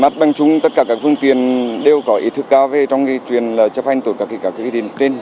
mặt bằng chung tất cả các phương tiện đều có ý thức cao về trong cái chuyện là chấp hành tụi các khách điện trên